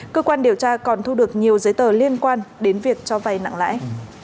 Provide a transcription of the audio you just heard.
cơ quan điều tra còn thu được nhiều giấy tờ liên quan đến việc cho vay nặng lãi